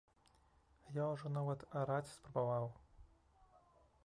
Я ўжо нават араць спрабаваў.